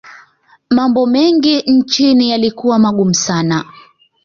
mambo mengi nchini yalikuwa magumu sana